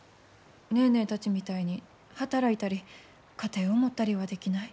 ネーネーたちみたいに働いたり家庭を持ったりはできない。